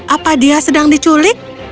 apa dia sedang diculik